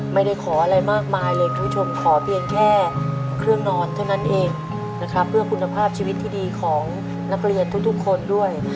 ไม่ได้ขออะไรมากมายเลยคุณผู้ชมขอเพียงแค่เครื่องนอนเท่านั้นเองนะครับเพื่อคุณภาพชีวิตที่ดีของนักเรียนทุกคนด้วย